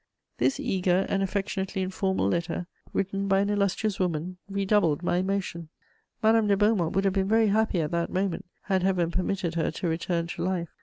This eager and affectionately informal letter, written by an illustrious woman, redoubled my emotion. Madame de Beaumont would have been very happy at that moment had Heaven permitted her to return to life!